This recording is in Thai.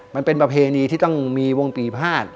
มันเป็นประเพณีที่ต้องมีวงปีภาษณ์